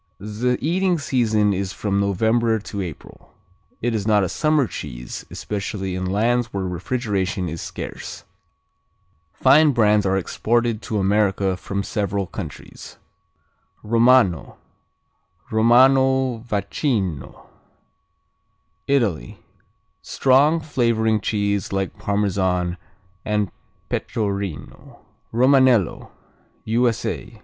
The eating season is from November to April. It is not a summer cheese, especially in lands where refrigeration is scarce. Fine brands are exported to America from several countries. Romano, Romano Vacchino Italy Strong: flavoring cheese like Parmesan and Pecorino. Romanello _U.S.A.